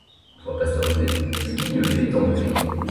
Une fois pasteurisé, le guignolet est embouteillé.